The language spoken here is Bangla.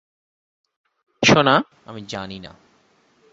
সোনা, আমি জানি।